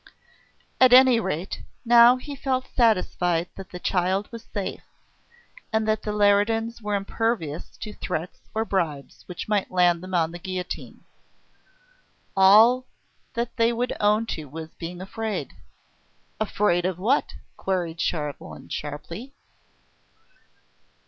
At any rate, now he felt satisfied that the child was safe, and that the Leridans were impervious to threats or bribes which might land them on the guillotine. All that they would own to was to being afraid. "Afraid of what?" queried Chauvelin sharply.